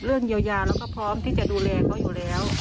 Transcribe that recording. เรื่องเยียวยาเราก็พร้อมที่จะดูแลเขาอยู่แล้ว